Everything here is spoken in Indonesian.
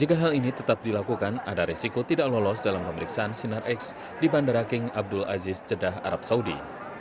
jika hal ini tetap dilakukan ada resiko tidak lolos dalam pemeriksaan sinar x di bandara king abdul aziz jeddah arab saudi